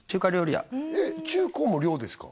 屋中高も寮ですか？